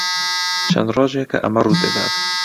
چەند ڕۆژێکە ئەمە ڕوو دەدات.